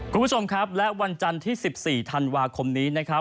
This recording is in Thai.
คุณผู้ชมครับและวันจันทร์ที่๑๔ธันวาคมนี้นะครับ